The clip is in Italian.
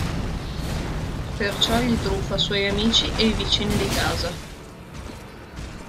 Perciò egli truffa suoi amici e i vicini di casa.